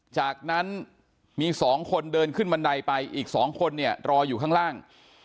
จากนั้นมี๒คนเดินขึ้นบันไดไปอีก๒คนเนี่ยรออยู่ข้างล่าง